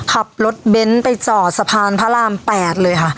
ขับรถเบนท์ไปจอดสะพานพระราม๘เลยค่ะ